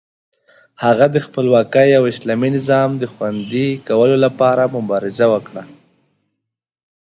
هغه د خپلواکۍ او اسلامي نظام د خوندي کولو لپاره مبارزه وکړه.